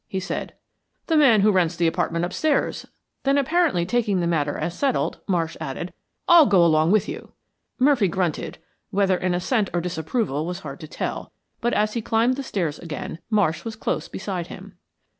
he said. "The man who rents the apartment upstairs." Then apparently taking the matter as settled, Marsh added, "I'll go along with you." Murphy grunted, whether in assent or disapproval was hard to tell, but as he climbed the stairs again, Marsh was close beside him.